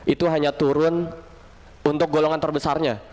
itu hanya turun untuk golongan terbesarnya